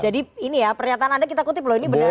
jadi ini ya pernyataan anda kita kutip lho ini benar